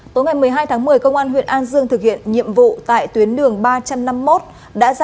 tối ngày một mươi hai tháng một mươi công an huyện an dương thực hiện nhiệm vụ tại tuyến đường ba trăm năm mươi một